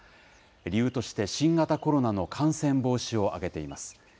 理由として、新型コロナの感染防止を挙げています。